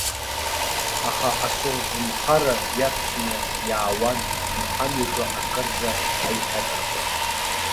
Аха асовнхара иацны иаауан анхамҩаҿы акырӡа аиҭакрақәа.